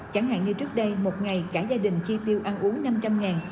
chẳng hạn như trước đây một ngày cả gia đình chi tiêu ăn uống năm trăm linh